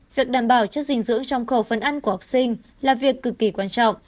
việc đảm bảo chất dinh dưỡng trong khẩu phân ăn của học sinh là việc cực kỳ quan trọng